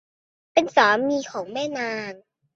เป็นสามีของแม่นาก